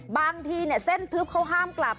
บางทีเส้นทึบเขาห้ามกลับ